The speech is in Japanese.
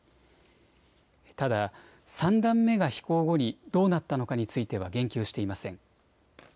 ただ３段目が飛行後にどうなったのかについては言及していません。